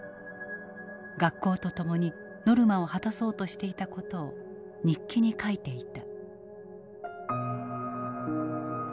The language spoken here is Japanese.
学校と共にノルマを果たそうとしていたことを日記に書いていた。